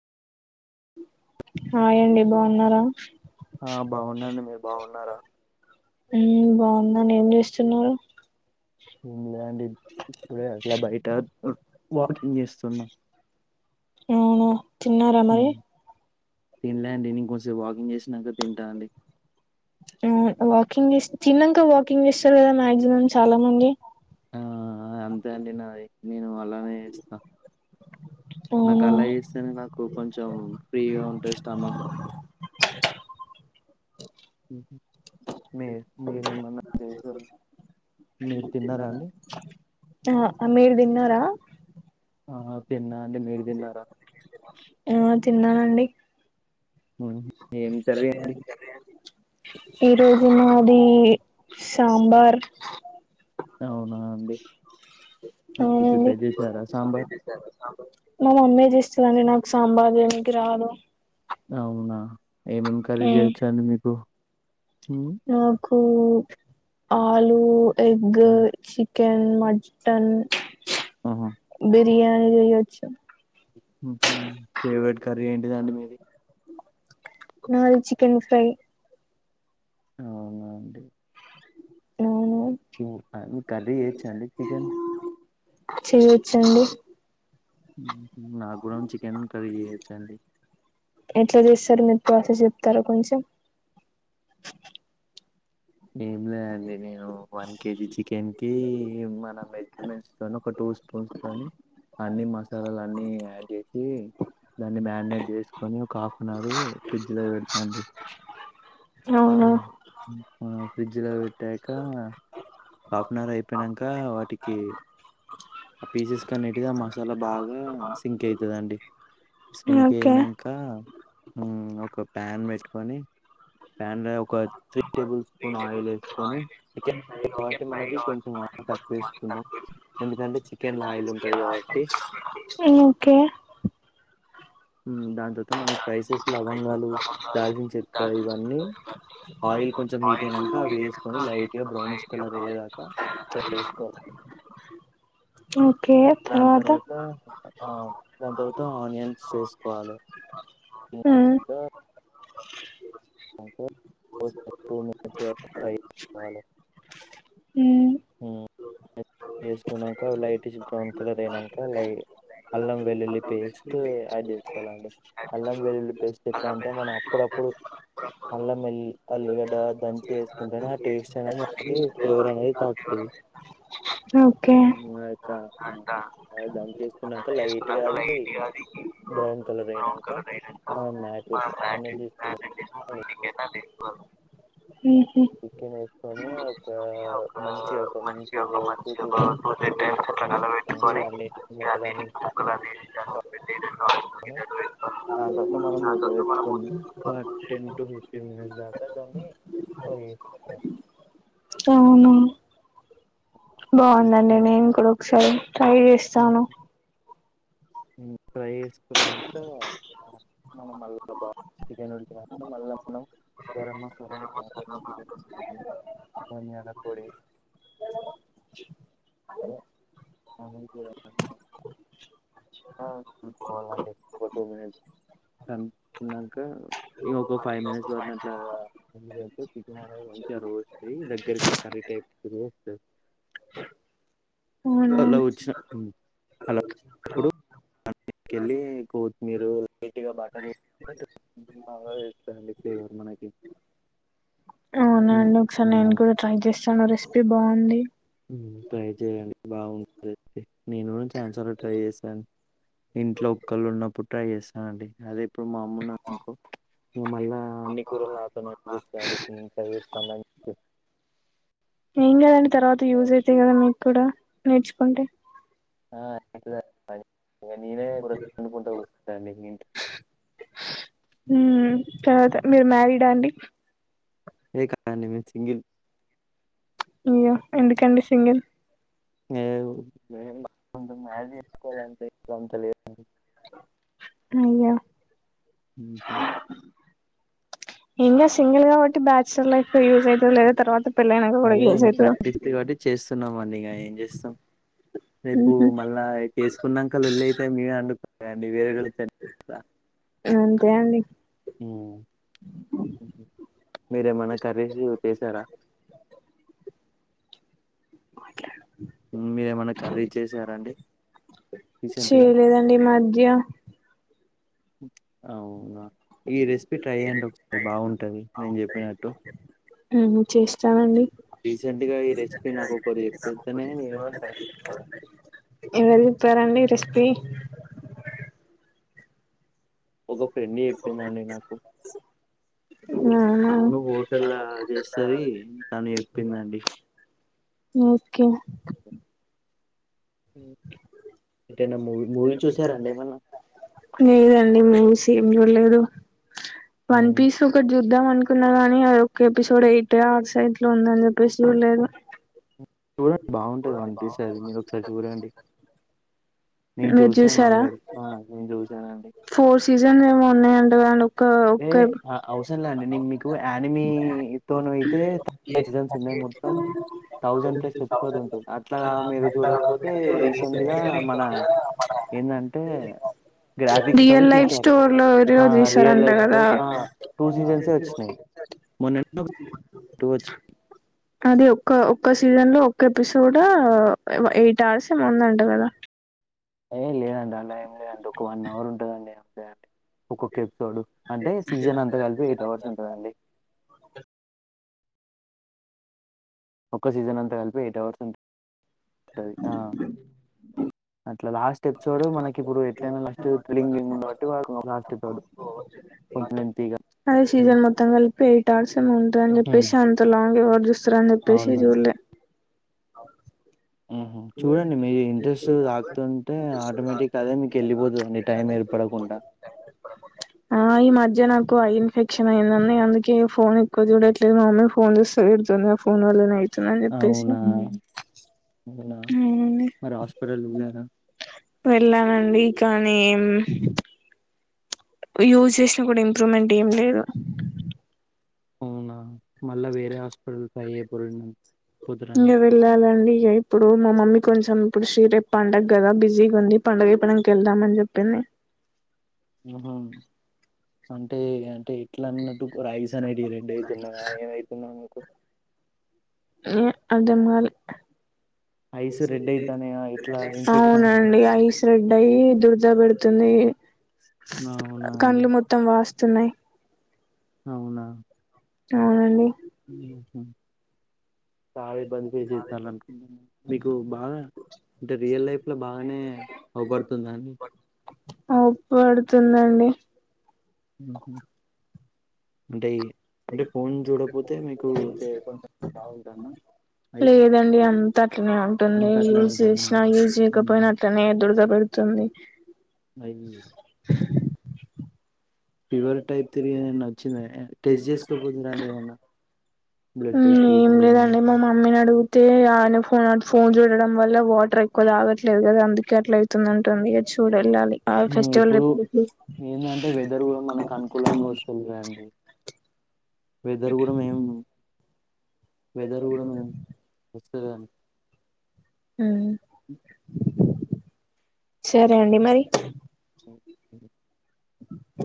Hi అండి, బాన్నారా. ఆ బాగున్నాండి, మీరు బాగున్నారా. మొన్న ఏం జెస్తున్నారు. లండ్ ఇప్పుడే అట్లా బయట, ఉ, వాకింగ్, చేస్తున్నా. అవును. తిన్నారా మరి, ఉమ్, తినలే అండి నేను కొంచెం వాకింగ్ చేసినాక తింటా అండి ఉమ్ వాకింగ్ చేస్ తిన్నాక వాకింగ్ చేస్తారు గదా మ. అజరూమ్ చాలా మంది. ఆ అంతే అండి నాది, నేను అలానే ఇస్తా. నాకు అవునా అలా చేస్తేనే నాకు కొంచెం ఫ్రీగా ఉంటాది స్టమక్. మీ మీరేమన్నా, చేసు మీరు తిన్నారాండి. ఆ మీరు తిన్నారా ఆ తిన్న. ఇంకేది మీరు తిన్నారా. తిన్నాానండి. ఉమ్ ఎం కర్రీ అండి. ఈ రోజు మాది. సాంబార్. అవునా అండి. మీరు అవునండి, ప్రిపేర్ చేసారా సాంబార్ మా మమ్మే చేసి. దంది నాకు సాంబార్ ఏంది రాలో అవునా ఏమేం కరీ చేయొచ్చండి మీకు ఊ ఊ ఆలు ఎగ్గు చిక్ కెన్ మటన్ ఆహా బి దియ ఏయచ్చు ఉ ఊ ఫేవరెట్ కర్రీ ఏంటిదండి మీది నాది చికెన్ ఫ్రై అవునా అండి అవును ఊ ఆ మీక్ కర్రీ చేయచ్చండి చికెన్ చేయచ్చండి ఊ నా కూడాన్ చికెన్ కర్రీ చేయచ్చండి తర కొంచెం ఏం లేండి నేను వన్ కేజీ చికెన్కి మన మెజర్మెంట్స్తో ఒక టూ స్పూన్స్తోని అన్నీ మసాలాలు అన్నీ యాడ్ చేసి దాన్ని మ్యాగ్నెట్ చేసుకొని ఇగ ఒక హాఫ్ అన్ అవర్ ఫ్రిడ్జ్ లో పెడతండ్రి ఊ అవునా ఉ ఆ ఫ్రిడ్జ్లో పెట్టాక హాఫ్ అన్ అవర్ అయిపోయినంక వాటికి ఆ పీసెస్ కనిటిది ఆ మసాలా బాగా సింక్ ఐతదండి సింక్ ఓకే అయినంక ఊ ఒక ప్యాన్ పెట్టుకొని ప్యాన్లో ఒక త్రీ టేబుల్ స్పూన్ ఆయిల్ వేసుకొని చికెన్ కాబట్టి మనకి కొంచెం ఆయిల్ తక్కువ వేస్తున్నాం ఎందుకంటే చికెన్లో ఆయిల్ ఉంటది కాబట్టి ఓకే ఉ దాంతోట్ మన స్పైసెస్ లవంగాలు దాల్చిన చెక్క ఇవన్నీ ఆయిల్ కొంచెం హీట్ అయినాక అవి వేసుకొని లైట్ గా బ్రౌనిష్ కలర్ వయ్యేదాకా ఫ్రై యేసుకోవాలి ఓ దాని తర్వాత దాని తర్వాత ఆనియన్స్ వేసుకోవాలి ఊ ఓ కే [unintelligible] అయ్యేంత వరకు ఫ్రై చేసుకోవాలి హ్ వేసుకున్నాక లైటిష్ బ్రౌన్ కలర్ అయినాక లై అల్లం వెల్లుల్లి పేస్ట్ యాడ్ చేసుకోవాలండి అల్లం వెల్లుల్లి పేస్ట్ ఎట్లా అంటే మనం అప్పుడప్పుడు అల్లం ఎల్లిగడ్డ దంచి వేసుక్ కుంటనే ఆ టేస్ట్ అనేది మనకి ఫ్లేవర్ అనేది తాకుతది ఓకే ద ద ఆ దమ్ చేకున్నాక లైట్ గా అది బ్రౌన్ కలర్ అయినాక మనం మ్యాట్ అన్నదిసుకున్న హుహ్ బండి మీద ఒక మంచి ఒక మంచి ఒక [inaudible] థాంక్స్ అండి ఒకే అండి మంచిగా అని చికెన్ ముక్కలు అన్ని ఆ తర్వాత మనం మూత పెట్ పెట్టుకొని thirteen to five to minutes దాకా ఉండి సర్వ్ చేసుకోవాలి ఏమో ఏమో ఫ్రై బాగుందండి నేను చేసుకున్నాక కూడా ఒకసారి ట్రై చేస్తాను హు ట్రై చెస్ ై [inaudible] మనం మళ్ళా బా చికెన్ ఉ ఉడికిన మళ్ల మనం గరంమసాలా ధనియాల పొడి స్లిమ్ లో పెట్టుకోవాలి అండి ఫోర్టీన్ మినిట్స్ ఇంకా ఇంకో ఫైవ్ మినిట్స్ పట్టినక చికెన్ అనేది మంచిగా రోస్ట్ అయ్యి దగ్గరికి కర్రీ టైప్ లో స [inaudible] అవునా ఇప్పుడు దాని మిదికెళ్ళి కోతిమీరు లైట్ గా బటర్ వేస్తే [inaudible] తరువాత తెలుస్తది అండి ఫ్లేవర్ మనకి హ్మ్. అవునాండి ఒకసారి నేను హ్మ్. కూడా ట్రై చేస్తాను రెస్ ఒకే బై అండి ఒకే నేను కూడా చాలా ట్రై చేశాను. ఇంట్లో ఒక్కళ్ళు ఉన్నప్పుడు ట్రై చేస్తానండి అదే ఇప్పుడు మా అమ్మ ఉన్నది అనుకో మళ్ళా అన్ని కూరలు నాతోనే అండిపిస్తదండి ఇప్పుడు నేను ఇట్లా చేస్తానని. ఏం కాదు అండి తర్వాత యూజ్ కదా మీకు కూడా నేర్చుకుంటే, నేనే ఇప్పుడు వండుకుంట కూర్చుంటా అండి ఇగ ఇంట్లో మ్మ్ తర్వాత మీరు మ్యారీడా అండి. ఏ కాదు అండి మీ సింగిల్. అయ్యో ఎందుకండి సింగిల్. ఏ మ్యాజీకో అందే [unintelligible] అంతా లేదండి. అయ్యా ఉహూ ఏం కాదు. సింగల్ కాబట్టి బ్యాచిలర్ లైఫ్ యూజ్ అయితదో లేదొ తర్వాత పెళ్ళైనాక కూడా అదే యూజ్ ఇంకా అవుతుంది ప్రాక్టీస్ కాబట్టి చేస్తున్నాంమండి ఇగా ఏం చేస్తాం రేపు ఉహు మళ్ళా చేసుకున్నాంక లొల్లి అయితే మీరే అండుకోండి వేరేగా అంతే అండి ఉమ్ మీరేమన్నా కర్రీసి చేసారా. మాట్లాడు మీరేమన్నా కర్రీ చేసారాండి రీసెంట్గా. చేయలేదండి ఈ మధ్య అవునా ఈ రెసిపీ ట్రై చేయండి ఒకసారి బాగుంటది నేను చెప్పినట్టు ఉహు చేస్తానండి రీసెంట్ గా ఈ రెసిపీ నాకు ఒకరు చెపీ కానీ ఎవరో తెలుసుకోవాలి. ఈ రెసిపి ఒక ఫ్రెండ్ చెప్పిందండి నాకు అవునా తను హోటల్లా చేస్తది తను చెప్పిందండి. ఓ ఒకే అ ఏమన్నా లేదండి మూవీస్ ఏం చూలేదు. వన్ ఉమ్ పీస్ ఒకటి ఇద్దాం అనుకున్నా కానీ అ ఒ ఎపిసోడ్ ఎయిట్ ఆ స ఇంట్లో ఉందని చెప్పేసి చూడలేదు చూడండి బాగుంటది వనిపిస అది మీరు ఒకసారి చూడండి నేను మీరు చూసాను చూసారా ఆల్వేడీ నేను చూసానుండి ఫోర్ సీజన్స్ ఏమో ఉన్నాయంట కదండి ఒక్క ఒక్క అవసర లేండి నేను మీకు యానిమీ తన అయితేన్స్ ఉన్నా మొత్తం థౌసండ్ ఉంటుంది అట్లాగా మీరు చూడకపోతే రీసెంట్ గా ఏంటంటే గ్రాఫిక్స్తో రియల్ లైఫ్ తీసారు స్టోర్ లో ఏదో ఆ రియల్ తీసారంట లైఫ్తో కదా టూ సీజన్సే వచ్చినాయి మొన్నే టూ వచ్చ అది ఒక్క ఒక్క సీజన్ లో ఒక్క ఎపిసోడ్ ఎయిట్ అర్స్ ఏమాన్దంట కదా ఏ లేదండి అలా ఏం లేదండి ఒక వన్ అవర్ ఉంటుందండి ఏ ఒక్కొక్క చూడు అంటే సీజన్ అంతా కలిపి ఎయిట్ అవర్స్ ఉంటుందండి ఒక్క సీజన్ అంతా కలిపి ఎయిట్ అవర్స్ ఉం అట్లా లాస్ట్ ఎపిసోడ్ మనకి ఇప్పుడు ఎట్లయినా లాస్ట్ థ్రిల్లింగ్ ఉంది కాబట్టి లాస్ట్ ఎపిసోడ్ కొంచెం లెంతీగా అదే సీజన్ మొత్తం కలిపి ఎయిట్ ఆర్స మంద అ ఉమ్, చెప్పేసి అంత లాంగ అట్లని చెపేశి అవునండి చూడలే మ్మ్. చూడండి మీ ఇంట్రెస్ట్ తాకుతుంటే ఆటోమేటిక్ అదే మీకు వెళ్ళిపోతుందండి టైం ఏర్పడకుండా ఆ ఈ మధ్య నాకు అయి ఫేక్షన్ అయిందండి అందుకే ఫోన్ ఎక్కువ చూడట్లేదు మామ్మీ ఫోన్ చూస్తే పెడుతుంది ఆ ఫోన్ వల్లనేయి చిన చెప్పేసి అవునా ఉమ్. మరి హాస్పిటల్ లేనా వెళ్ళానండి కానీ యూజ్ చేసినా కూడా ఇంప్రూవ్మెంట్ ఏం లేదు అవునా మళ్ళా వేరే హాస్పిటల్స్ అయ్యే ప ఇగ వెళ్ళాలండి ఇక ఇప్పుడు మా మమ్మీ కొంచెం ఇప్పుడు షిరే పండకదా బిజీగా ఉంది పండుగ పనికి వెళ్దాం అని చెప్పింది హ అంటే అంటే ఎట్లాన్నటు రైస్ అనేటి రెడ్డు అయితున్నావా ఏమవుతున్నాకు ఉ అర్ధం కాలే ఐస్ రెడ్ అవుతున్నాయా ఇట్లా ఇన్ఫెక్షన్ అంటే అవునండి ఐస్ రెడ్ అయి దుర్దా పెడుతుంది ఆవునండి తున్నాయి అవునా అవునండి ఉ చాలా ఇబ్బంది ఫేస్ చేతాలనుకుంట మీకు బాగా అంటే రియల్ లైఫ్ లో బాగానే అవపడుతుందండి పడుతుందండి అంటే ఈ చే- కొంచెం బాగుంటానా ఐస్ లేదండి అంత అట్లనే ఉంటుంది అంతట్లో యూజ్ ఉంటానా చేసినా యూజ్ చేయకపోయినా మ్మ్. అట్నే దురద పెడుతుంది అయ్యి ఫివర్ టైప్ త్రీ అనన్నా వచ్చినయ టెస్ట్ చేసుకోపోతుందండి ఏమన్నా బ్లడ్ హు టెస్ట్ ఏం గిట్లా లేదండి ఏమైనా? మా మమ్మీని అడిగితే ఆయన ఫోన్ ఫోన్ చూడ్ డం వల్ల వాటర్ ఎక్కువ తగట్లేదు కదా అందుకే అట్లా అయితుంది ఉంటుంది ఇగ చూ వెళ్ళాలి హు ఇప్పుడు ఏందంటే వెదర్ కూడా మనకు అనుకూలంగా వస్తులేదండి వెదరు కూడా మేం వెదర్ కుడము వస్త [unintelligible] మ్మ్ సరే అండి మరి అ